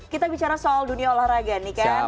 kita bicara soal dunia olahraga nih kan